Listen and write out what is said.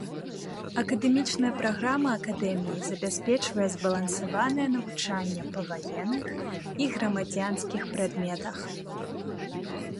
Акадэмічная праграма акадэміі забяспечвае збалансаванае навучанне па ваенных і грамадзянскіх прадметах.